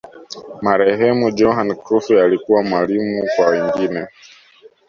marehemu johan crufy alikuwa mwalimu kwa wengine